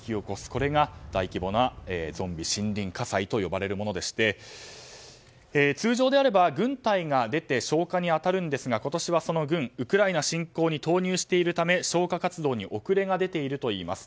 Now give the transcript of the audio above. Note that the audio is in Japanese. これが大規模なゾンビ森林火災と呼ばれるものでして通常であれば、軍隊が出て消火に当たるんですが今年はその軍、ウクライナ侵攻に投入しているため消火活動に遅れが出ているといいます。